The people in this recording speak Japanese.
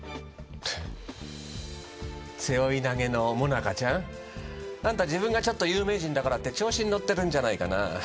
背負い投げの萌奈佳ちゃんあんた自分がちょっと有名人だからって調子にのってるんじゃないかな？